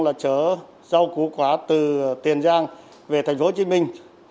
là chở rau củ quả từ tiền giang về thành phố hồ chí minh